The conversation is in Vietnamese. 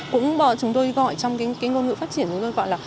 cũng chúng tôi gọi trong cái ngôn ngữ phát triển chúng tôi gọi là